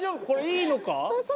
これいいのか？